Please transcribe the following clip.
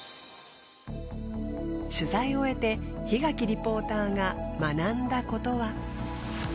取材を終えて檜垣リポーターが学んだことは。